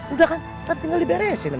udah kan nanti tinggal diberesin